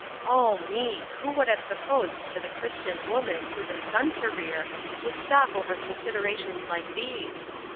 O, me ! who would have supposed that a Christian woman, with a son to rear, could stop over considerations like these."